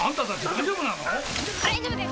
大丈夫です